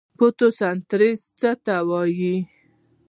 فوتوسنتیز څه ته وایي؟